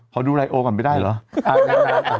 เพราะดูไลโอก่อนไปได้เหรอ